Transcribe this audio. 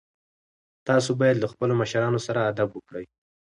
تاسو باید له خپلو مشرانو سره ادب وکړئ.